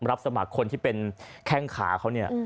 รับสมัครคนที่เป็นแข้งขาเขาเนี่ย